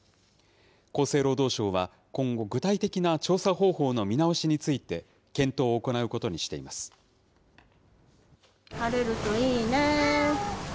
厚生労働省は、今後、具体的な調査方法の見直しについて、検討を晴れるといいね。